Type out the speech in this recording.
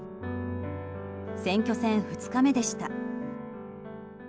選挙戦２日目でした。